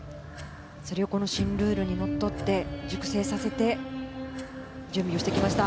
それをこの新ルールにのっとって熟成させて準備をしてきました。